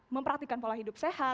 mempraktikan pola hidup sehat